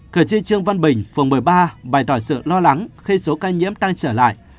cử tri trương văn bình phường một mươi ba bày tỏ sự lo lắng khi số ca nhiễm tăng trở lại